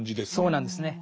そうなんですね。